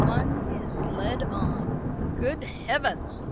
One is led on." "Good Heavens!